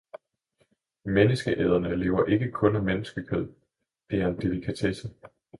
Menneskeæderne lever ikke kun af menneskekød, det er en delikatesse.